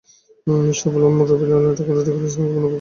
Mr Bloom, Ronnie Donnie military school কেমন উপভোগ করছে?